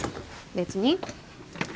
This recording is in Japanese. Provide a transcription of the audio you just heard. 別に。